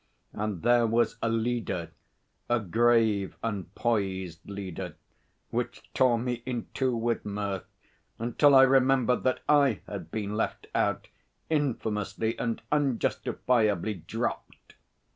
And there was a leader, a grave and poised leader, which tore me in two with mirth, until I remembered that I had been left out infamously and unjustifiably dropped.